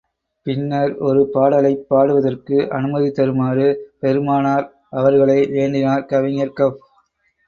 பின்னர், ஒரு பாடலைப் பாடுவதற்கு அனுமதி தருமாறு பெருமானார் அவர்களை வேண்டினார் கவிஞர் கஃப்.